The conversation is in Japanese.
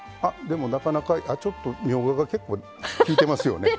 なかなか、みょうがが結構、きいてますよね。